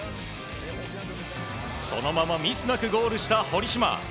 そのままミスなくゴールした堀島。